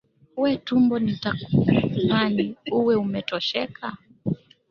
We tumbo nitakupani, uwe umetosheka?